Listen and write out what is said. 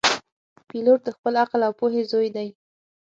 پیلوټ د خپل عقل او پوهې زوی دی.